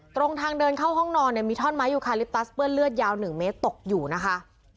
ตรงทางเดินเข้าห้องนอนเนี่ยมีท่อนไม้ยูคาลิปตัสเปื้อนเลือดยาว๑เมตรตกอยู่นะคะ